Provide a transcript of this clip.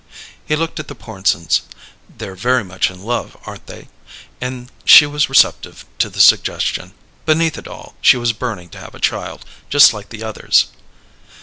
He looked at the Pornsens. "They're very much in love, aren't they? And she was receptive to the suggestion beneath it all, she was burning to have a child, just like the others."